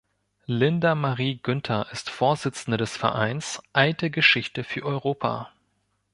Linda-Marie Günther ist Vorsitzende des Vereins Alte Geschichte für Europa.